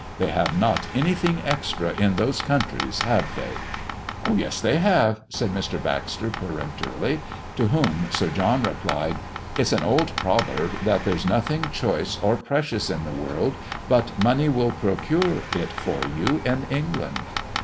They have not anything extra in those countries, have they?" "Yes, they have," said Mr. Baxter peremptorily. To whom Sir John replied "It's an old proverb, that there's nothing choice or precious in the world, but money will procure it for you in England."